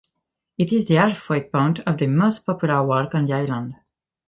It is the half-way point of the most popular walk on the island.